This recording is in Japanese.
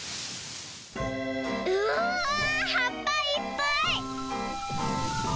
うわはっぱいっぱい！